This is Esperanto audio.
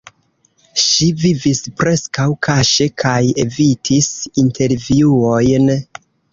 Ŝi vivis preskaŭ kaŝe kaj evitis intervjuojn.